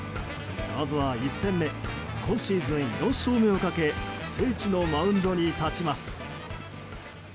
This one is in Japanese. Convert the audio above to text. まずは１戦目今シーズン４勝目をかけ聖地のマウンドに立ちます。